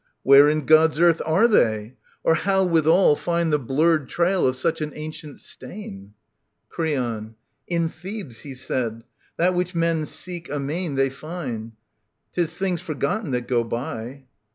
Where in God's earth are they ? Or how withal Find the blurred trail of such an ancient stain ? Creon. In Thebes, he said. — That which men seek amain They find, 'Tis things forgotten that go by.